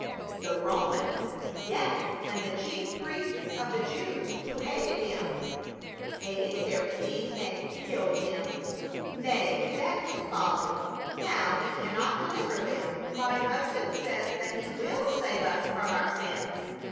"The Romans — yes, and the chief priests of the Jews, who hated him." " Hated their king — and killed him ! Nay, that was folly ; now he cannot deliver them," 80 PAUL. " My husband says that he will save us from our sins."